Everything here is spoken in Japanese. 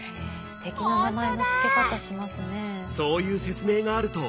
すてきな名前のつけ方しますね。